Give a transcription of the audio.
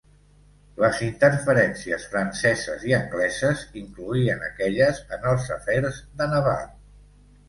Les interferències franceses i angleses incloïen aquelles en els afers de Nabab.